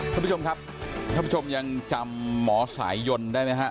ท่านผู้ชมครับท่านผู้ชมยังจำหมอสายยนต์ได้ไหมฮะ